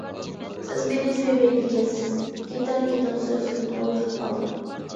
سىز مېنى سۆيمەيدىكەنسىز، كېتىڭ. «كېتىڭ» سۆزىدىن ھاڭۋېقىپ قالدىم.